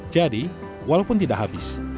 jadi walaupun tidak habis